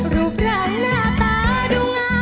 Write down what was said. รูปร่างหน้าตาดูงา